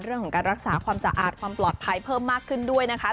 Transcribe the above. เรื่องของการรักษาความสะอาดความปลอดภัยเพิ่มมากขึ้นด้วยนะคะ